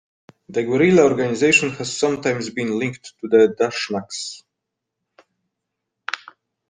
The guerrilla organization has sometimes been linked to the Dashnaks.